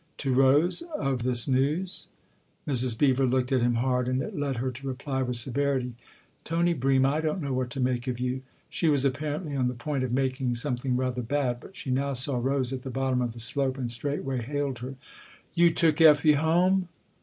" To Rose of this news ?" Mrs. Beever looked 246 THE OTHER HOUSE at him hard, and it led her to reply with severity :" Tony Bream, I don't know what to make of you 1 " She was apparently on the point of making some thing rather bad, but she now saw Rose at the bottom of the slope and straightway hailed her. " You took Effie home